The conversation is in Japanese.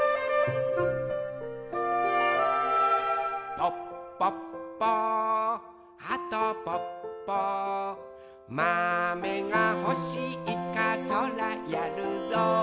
「ぽっぽっぽはとぽっぽ」「まめがほしいかそらやるぞ」